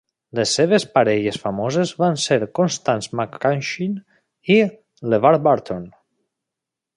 Les seves parelles famoses van ser Constance McCashin i LeVar Burton.